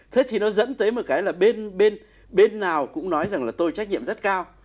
thế thì nó dẫn tới một cái là bên nào cũng nói rằng là tôi trách nhiệm rất cao